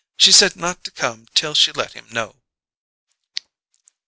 She said not to come till she let him know."